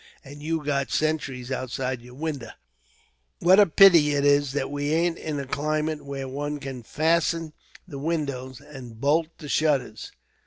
And you've got sentries outside your windows. What a pity it is that we ain't in a climate where one can fasten the windows, and boult the shutters!